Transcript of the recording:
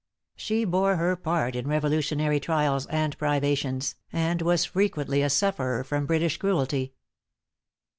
She bore her part in Revolutionary trials and privations, and was frequently a sufferer from British cruelty.